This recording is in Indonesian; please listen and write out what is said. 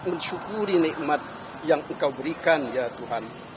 tidak pernah kami berhenti menyukuri nikmat yang engkau berikan ya tuhan